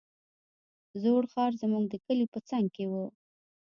زوړ ښار زموږ د کلي په څنگ کښې و.